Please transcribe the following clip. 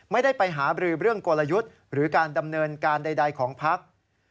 ไม่ได้ไปหาบรือเรื่องกลยุทธ์หรือการดำเนินการใดของพัก